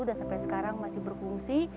dan sampai sekarang masih berfungsi